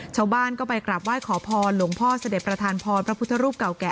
ชาวบ้านก็ไปกลับไหว้ขอพรหลวงพ่อเสด็จประธานพรพระพุทธรูปเก่าแก่